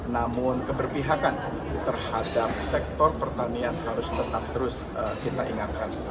namun keberpihakan terhadap sektor pertanian harus tetap terus kita ingatkan